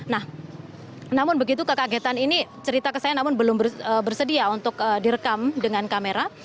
nah namun begitu kekagetan ini cerita ke saya namun belum bersedia untuk direkam dengan kamera